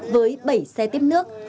với bảy xe tiếp nước